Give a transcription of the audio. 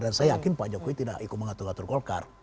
dan saya yakin pak jokowi tidak ikut mengatur ngatur golkar